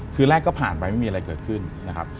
คือแรกก็ผ่านไปไม่มีอะไรเกิดขึ้นนะครับ